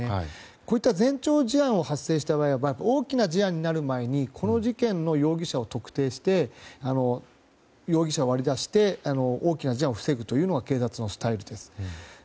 こうした前兆事案が発生した場合は大きな事案になる前にこの事件の容疑者を特定して、容疑者を割り出して大きな事案を防ぐというのが警察のスタイルです。